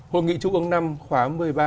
hội nghị chung ứng năm khóa một mươi ba